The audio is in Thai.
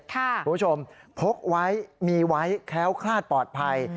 คุณผู้ชมพกไว้มีไว้แค้วคลาดปลอดภัย